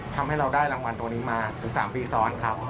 ทำให้เราได้รางวัลตัวนี้มาถึง๓ปีซ้อนครับ